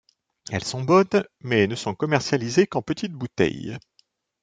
Elles sont bonnes, mais ne sont commercialisées qu'en perites bouteilles.